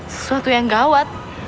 sesuatu yang gawat